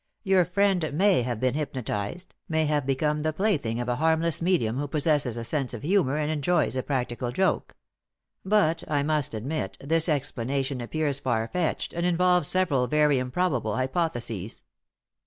Your friend may have been hypnotized, may have become the plaything of a harmless medium who possesses a sense of humor and enjoys a practical joke. But, I must admit, this explanation appears far fetched and involves several very improbable hypotheses."